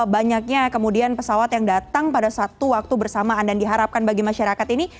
banyaknya kemudian pesawat yang datang pada satu waktu bersamaan dan diharapkan bagi masyarakat ini